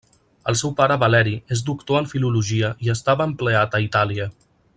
El seu pare Valeri és doctor en filologia i estava empleat a Itàlia.